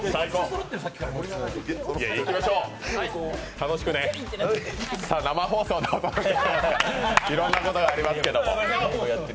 楽しくね、生放送でお送りしていますので、いろんなことがありますが。